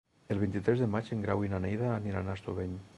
El vint-i-tres de maig en Grau i na Neida aniran a Estubeny.